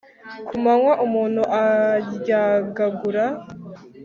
ku manywa umuntu aryagagura